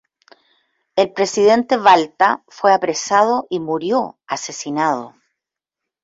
El presidente Balta fue apresado y murió asesinado.